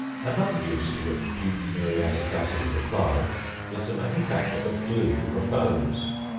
Another use to which cheap muriatic acid is applied, is the manufacture of glue from bones.